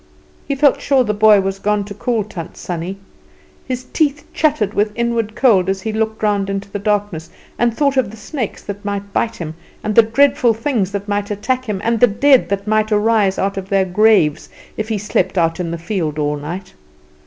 He felt sure the boy was gone to call Tant Sannie. His teeth chattered with inward cold as he looked round into the darkness and thought of the snakes that might bite him, and the dreadful things that might attack him, and the dead that might arise out of their graves if he slept out in the field all night.